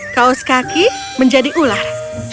kaus kaki menjadi ular